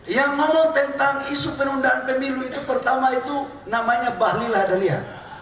yang ngomong tentang isu penundaan pemilu itu pertama itu namanya bahlil lahadalia